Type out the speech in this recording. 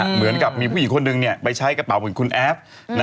เหมือนกับมีผู้หญิงคนหนึ่งไปใช้กระเป๋าเหมือนคุณแอฟ